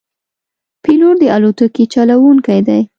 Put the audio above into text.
پیلوټ د الوتکې چلوونکی دی.